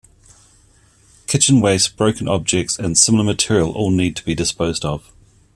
Kitchen waste, broken objects, and similar material all need to be disposed of.